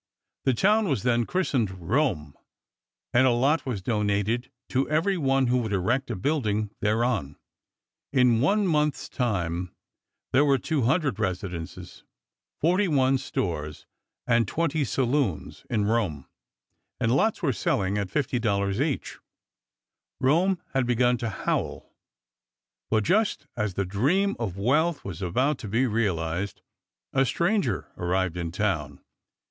The town was then christened Rome, and a lot was donated to every one who would erect a building thereon. In one month's time there were 200 residences, 41 stores, and 20 saloons in Rome, and lots were selling at $50 each. Rome had begun to howl. But just as the dream of wealth was about to be realized a stranger arrived in town.